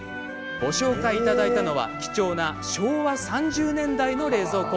ご紹介いただいたのは貴重な昭和３０年代の冷蔵庫。